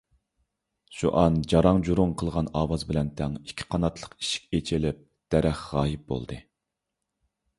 شۇئان جاراڭ - جۇراڭ قىلغان ئاۋاز بىلەن تەڭ ئىككى قاناتلىق ئىشىك ئېچىلىپ دەرەخ غايىب بولدى.